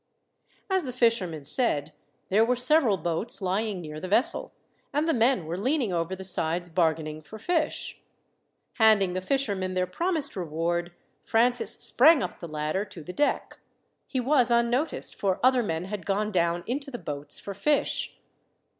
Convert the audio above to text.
As the fishermen said, there were several boats lying near the vessel, and the men were leaning over the sides bargaining for fish. Handing the fishermen their promised reward, Francis sprang up the ladder to the deck. He was unnoticed, for other men had gone down into the boats for fish.